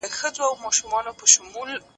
ځواني د اوبو د یوې چټکې څپې په څېر تېره شوه.